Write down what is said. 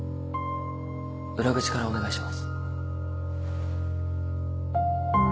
裏口からお願いします。